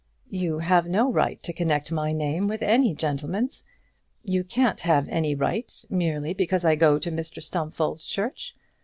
"You have no right to connect my name with any gentleman's. You can't have any right merely because I go to Mr Stumfold's church.